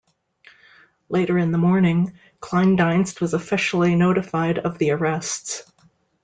Later in the morning Kleindienst was officially notified of the arrests.